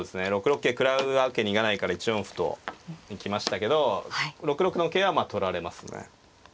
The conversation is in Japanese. ６六桂食らうわけにいかないから１四歩と行きましたけど６六の桂はまあ取られますね。